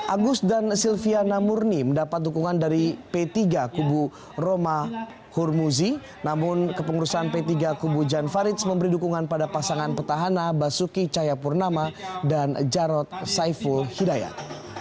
agus dan silviana murni mendapat dukungan dari p tiga kubu roma hurmuzi namun kepengurusan p tiga kubu jan farids memberi dukungan pada pasangan petahana basuki cayapurnama dan jarod saiful hidayat